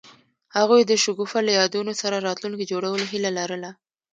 هغوی د شګوفه له یادونو سره راتلونکی جوړولو هیله لرله.